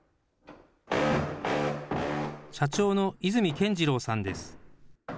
社長の泉謙二郎さんです。